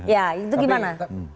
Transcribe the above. ya itu gimana